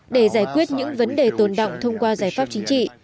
để giải quyết những vấn đề tồn động thông qua giải pháp chính trị